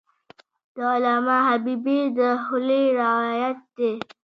د علامه حبیبي د خولې روایت دی.